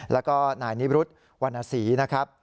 แล้วก็นายนิรุธวรรณศรีนะครับ